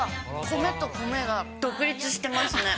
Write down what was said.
米と米が独立してますね。